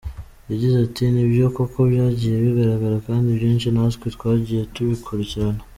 Yagize ati “Ni byo koko byagiye bigaragara kandi ibyinshi natwe twagiye tubikurikirana.